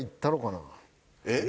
えっ！